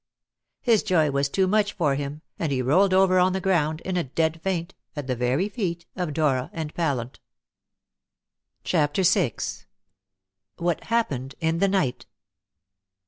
His joy was too much for him, and he rolled over on the ground in a dead faint, at the very feet of Dora and Pallant. CHAPTER VI. WHAT HAPPENED IN THE NIGHT.